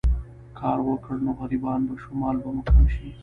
کار وکړو نو غريبان به شو، مال به مو کم شي